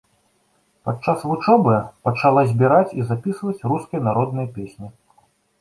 Падчас вучобы пачала збіраць і запісваць рускія народныя песні.